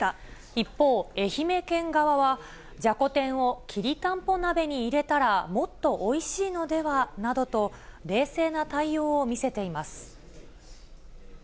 一方、愛媛県側は、じゃこ天をきりたんぽ鍋に入れたら、もっとおいしいのではなどと、冷静な対応を見せています。